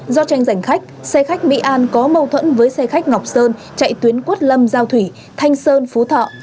do tranh giành khách xe khách mỹ an có mâu thuẫn với xe khách ngọc sơn chạy tuyến quốct lâm giao thủy thanh sơn phú thọ